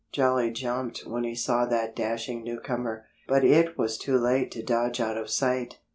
Jolly jumped when he saw that dashing newcomer. But it was too late to dodge out of sight.